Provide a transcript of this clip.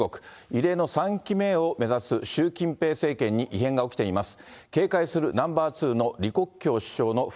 異例の３期目を目指す習近平政権に異変が起きています。